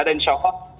dan insya allah